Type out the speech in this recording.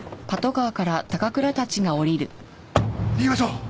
逃げましょう！